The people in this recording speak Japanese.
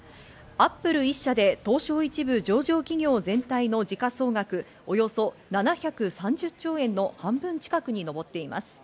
アップル１社で東証一部上場企業全体の時価総額、およそ７３０兆円の半分近くに上っています。